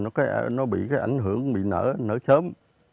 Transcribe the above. thì nó bị cái ảnh hưởng bị nở sớm